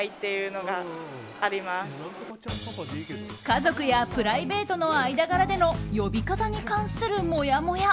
家族やプライベートの間柄での呼び方に関する、もやもや。